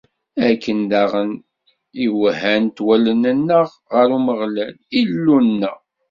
Akken daɣen i wehhant wallen-nneɣ ɣer Umeɣlal, Illu-nneɣ.